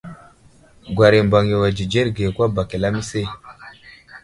Gwara i Mbaŋ yo a dzidzerge kwa bak i lamise.